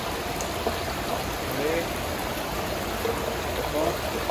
Suele estar hecha de acero, hierro fundido e incluso se encuentran ejemplares de aluminio.